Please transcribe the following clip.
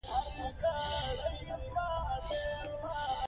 دوی به په راتلونکي کې ښه کتابونه چاپ کړي.